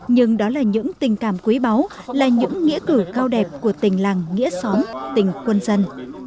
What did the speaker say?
nhưng đó là những tình cảm quý báu là những nghĩa cử cao đẹp của tình làng nghĩa xóm tình quân dân